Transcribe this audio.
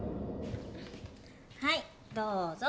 はいどうぞ。